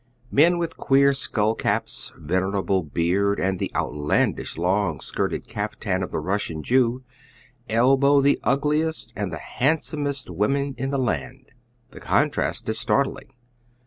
Men with queer skull caps, venerable beard, and the outlandish long skirt ed kaftan of the Russian Jew, elbow the ugliest and the handsomest women in the land. The contrast is startling.